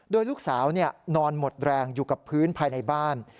โดยลูกสาวนอนหมดแรงอยู่กับพื้นภายในบ้าน